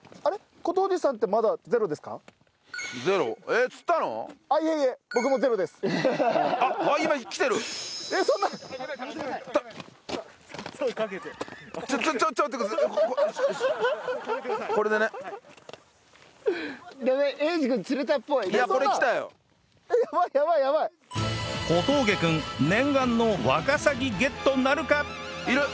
小峠君念願のワカサギゲットなるか？